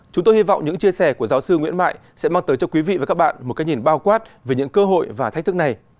chúng tôi hy vọng những chia sẻ của giáo sư nguyễn mại sẽ mang tới cho quý vị và các bạn một cái nhìn bao quát về những cơ hội và thách thức này